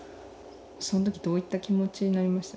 そのときどういった気持ちになりました？